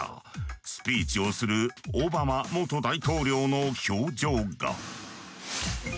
スピーチをするオバマ元大統領の表情が。